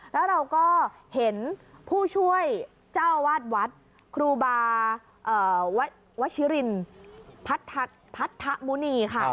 แล้วเราก็เห็นผู้ช่วยเจ้าหวัดคุบาวัชรินีพทะมุหนีค่ะ